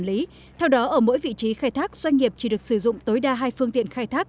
lý theo đó ở mỗi vị trí khai thác doanh nghiệp chỉ được sử dụng tối đa hai phương tiện khai thác